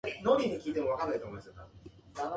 豆腐は絹豆腐派です